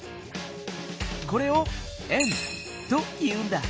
これを「円」と言うんだ。